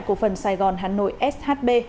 cổ phần sài gòn hà nội shb